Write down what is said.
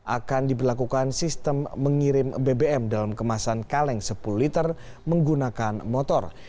akan diberlakukan sistem mengirim bbm dalam kemasan kaleng sepuluh liter menggunakan motor